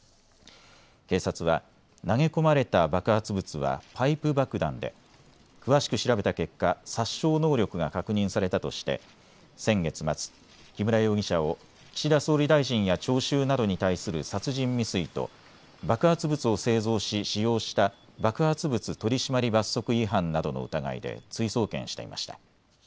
警察は投げ込まれた爆発物はパイプ爆弾で詳しく調べた結果、殺傷能力が確認されたとして先月末、木村容疑者を岸田総理大臣や聴衆などに対する殺人未遂と爆発物を製造し使用した爆発物取締罰則違反などの疑いで追送検していました。